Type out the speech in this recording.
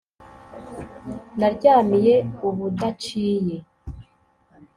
naryamiye ubudaciye